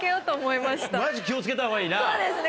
マジ気を付けたほうがいいな。